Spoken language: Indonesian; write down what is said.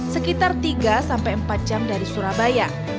sekitar tiga sampai empat jam dari surabaya